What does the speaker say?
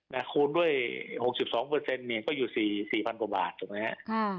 แต่คูณด้วยหกสิบสองเปอร์เซ็นต์เนี้ยก็อยู่สี่สี่พันกว่าบาทถูกไหมฮะ